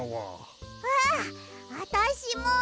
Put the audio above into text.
ああたしも！